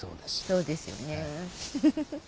そうですよね。